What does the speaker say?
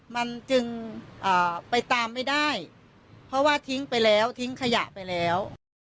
มันจึงไปตามไม่ได้เพราะว่าทิ้งไปแล้วทิ้งขยะไปแล้ว